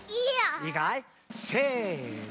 いいかい？せの。